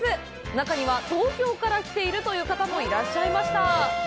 中には東京から来ているという方もいらっしゃいました！